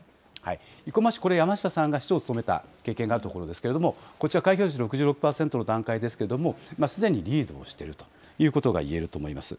生駒市、これ、山下さんが市長を務めた経験がある所ですけれども、こちら、開票率６６％の段階ですけれども、すでにリードをしているということがいえると思います。